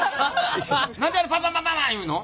何であれパパパパ言うの？